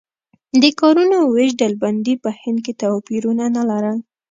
د کارونو وېش ډلبندي په هند کې توپیرونه نه لرل.